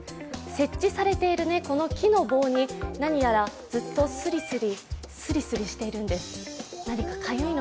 設置されている木の棒に何やらずっとすりすりしているんです。